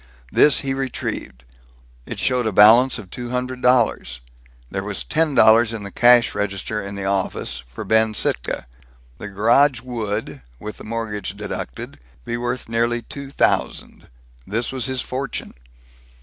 This he retrieved. It showed a balance of two hundred dollars. There was ten dollars in the cash register in the office, for Ben Sittka. The garage would, with the mortgage deducted, be worth nearly two thousand. This was his fortune.